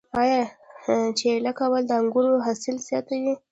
آیا چیله کول د انګورو حاصل زیاتوي؟